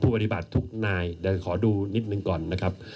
ผู้ปฏิบัติทุกนายแต่ขอดูนิดนึงก่อนนะครับ